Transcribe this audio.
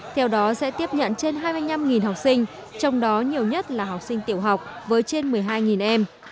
theo đó sẽ tiếp nhận trên hai mươi năm học sinh trong đó nhiều nhất là học sinh tiểu học với trên một mươi hai em